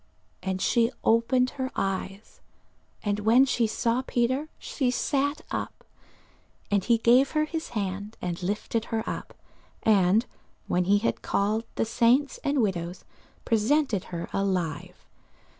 And she opened her eyes: and when she saw Peter, she sat up. And he gave her his hand, and lifted her up, and when he had called the saints and widows, presented her alive.